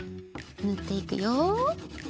ぬっていくよ！